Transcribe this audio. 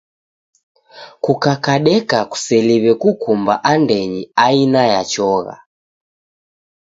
Kukakadeka kuseliw'e kukumba andenyi aina ya chogha.